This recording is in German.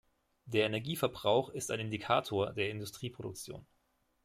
Der Energieverbrauch ist ein Indikator der Industrieproduktion.